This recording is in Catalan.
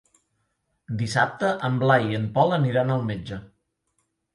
Dissabte en Blai i en Pol aniran al metge.